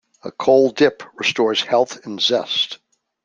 A cold dip restores health and zest.